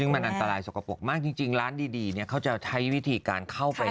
ซึ่งมันอันตรายสกปรกมากจริงร้านดีเขาจะใช้วิธีการเข้าไป